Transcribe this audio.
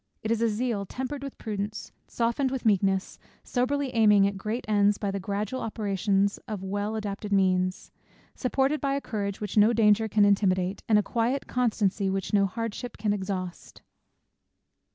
It is a zeal tempered with prudence, softened with meekness, soberly aiming at great ends by the gradual operation of well adapted means, supported by a courage which no danger can intimidate, and a quiet constancy which no hardships can exhaust.